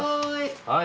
はい。